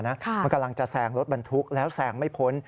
มันกำลังจะแซงรถบรรทุกแล้วแซงไม่พ้น